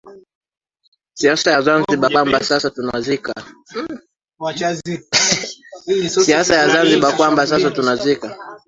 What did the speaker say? siasa ya zanz kwamba sasa tunazika